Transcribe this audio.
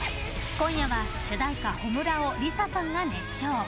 今夜は主題歌「炎」をＬｉＳＡさんが熱唱。